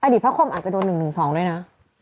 พระคมอาจจะโดน๑๑๒ด้วยนะ